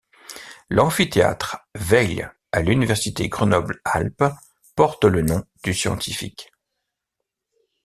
L’amphithéâtre Weil à l'Université Grenoble-Alpes porte le nom du scientifique.